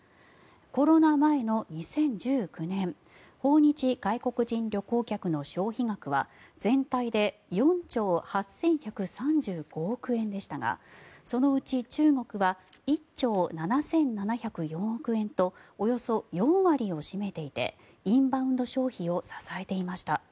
コロナ前の２０１９年訪日外国人旅行客の消費額は全体で４兆８１３５億円でしたがそのうち中国は１兆７７０４億円とおよそ４割を占めていてインバウンド消費を支えていました。